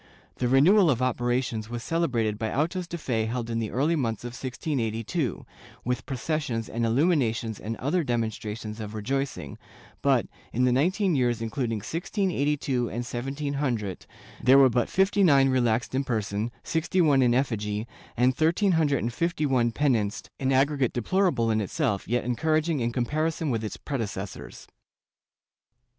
The renewal of operations was celebrated by autos de fe held in the early months of 1682, with processions and illuminations and other demonstrations of rejoicing, but, in the nineteen years including 1682 and 1700, there were but fifty nine relaxed in person, sixty one in effigy and thirteen hundred and fifty one penanced — an aggregate deplorable in itself, yet encouraging in comparison with its predecessors.